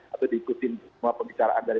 atau diikutin semua pembicaraan dari